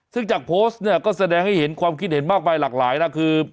ซึ่งจากโพสต์เนี่ยก็แสดงให้เห็นความคิดเห็นมากมายหลากหลายนะคือ